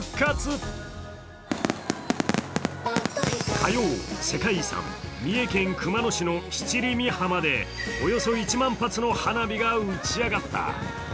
火曜、世界遺産・三重県熊野市の七里御浜でおよそ１万発の花火が打ち上がった。